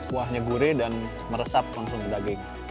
kuahnya gurih dan meresap langsung ke daging